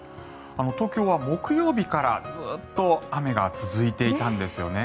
東京は木曜日からずっと雨が続いていたんですよね。